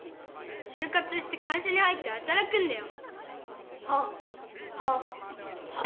しゅう活して会社に入ってはたらくんだよ。